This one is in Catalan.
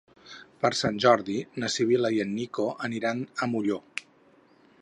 Per Sant Jordi na Sibil·la i en Nico aniran a Molló.